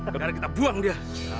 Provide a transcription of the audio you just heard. sekarang kita buang dia